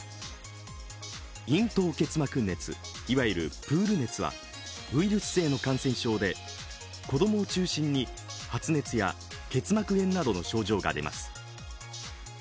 咽頭結膜熱、いわゆるプール熱はウイルス性の感染症で子供を中心に発熱や結膜炎などの症状が出ます